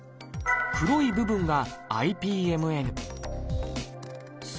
黒い部分がＩＰＭＮ。